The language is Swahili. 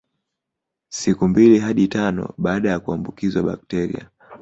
Siku mbili hadi tano baada ya kuambukizwa bakteria